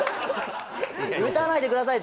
撃たないでください